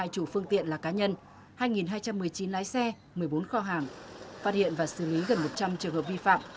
ba trăm tám mươi hai chủ phương tiện là cá nhân hai hai trăm một mươi chín lái xe một mươi bốn kho hàng phát hiện và xử lý gần một trăm linh trường hợp vi phạm